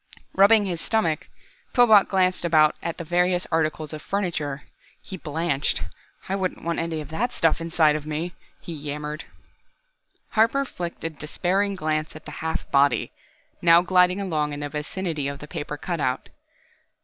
Rubbing his stomach, Pillbot glanced about at the various articles of furniture. He blanched. "I wouldn't want any of that stuff inside of me," he yammered. Harper flicked a despairing glance at the half body, now gliding along in the vicinity of the paper cutout.